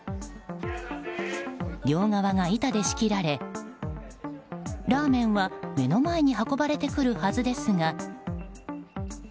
両側が板で仕切られラーメンは目の前に運ばれてくるはずですが。